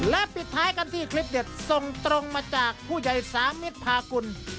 และปิดท้ายกันที่คลิปเด็ดส่งตรงมาจากผู้ใหญ่สามิตรพากุล